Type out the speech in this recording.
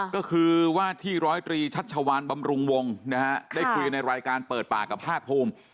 ก็คือว่าที่ร้อยตรีชัชวานบำรุงวงนะฮะได้คุยในรายการเปิดปากกับภาคภูมิ